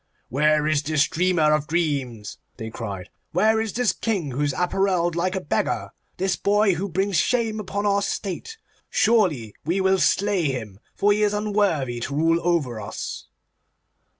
'Where is this dreamer of dreams?' they cried. 'Where is this King who is apparelled like a beggar—this boy who brings shame upon our state? Surely we will slay him, for he is unworthy to rule over us.